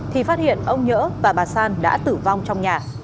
thì phát hiện ông nhỡ và bà san đã tử vong trong nhà